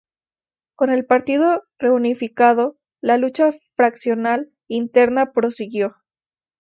Con el partido reunificado, la lucha fraccional interna prosiguió.